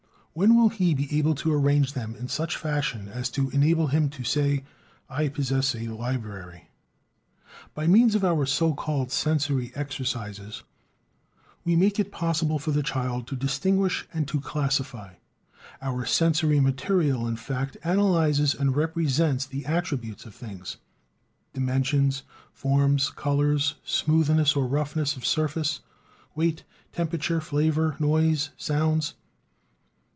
When will he be able to arrange them in such fashion as to enable him to say: "I possess a library"? By means of our so called "sensory exercises" we make it possible for the child to distinguish and to classify. Our sensory material, in fact, analyses and represents the attributes of things: dimensions, forms, colors, smoothness or roughness of surface, weight, temperature, flavor, noise, sounds.